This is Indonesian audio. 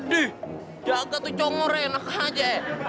hidih jaga tuh congol enak aja ya